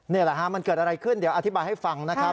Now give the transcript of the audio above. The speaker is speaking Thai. นี่แหละฮะมันเกิดอะไรขึ้นเดี๋ยวอธิบายให้ฟังนะครับ